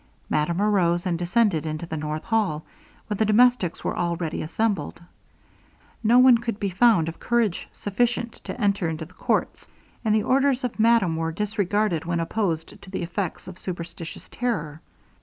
Madame arose and descended into the north hall, where the domestics were already assembled. No one could be found of courage sufficient to enter into the courts; and the orders of madame were disregarded, when opposed to the effects of superstitious terror.